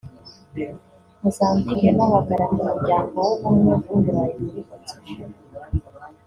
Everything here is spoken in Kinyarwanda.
Mozambique n’uhagarariye Umuryango w’Ubumwe bw’u Burayi muri Botswana